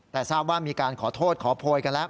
แต่ทราบว่ามีการขอโทษขอโพยกันแล้ว